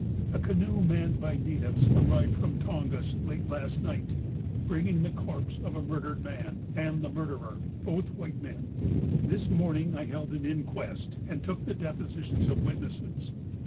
A canoe manned by na tives arrived from Tongas late last night, bringing the corpse of a murdered man, and the murderer; — both white men. This morning I held an inquest, and took the depositions of witnesses.